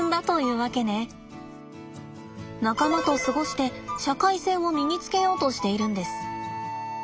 仲間と過ごして社会性を身につけようとしているんです。